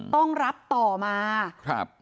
ต้องรับต่อมา